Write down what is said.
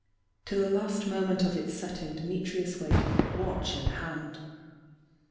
To the last moment of its setting Dimitrius waited, watch in hand.